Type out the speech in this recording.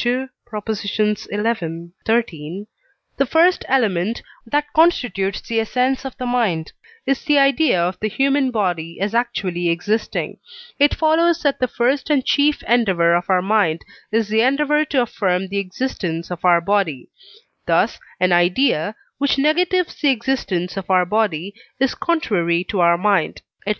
xi., xiii.) the first element, that constitutes the essence of the mind, is the idea of the human body as actually existing, it follows that the first and chief endeavour of our mind is the endeavour to affirm the existence of our body: thus, an idea, which negatives the existence of our body, is contrary to our mind, &c.